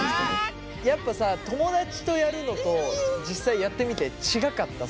やっぱさ友達とやるのと実際やってみて違かった？